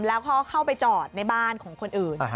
แล้วก็เข้าไปจอดในบ้านของคนอื่น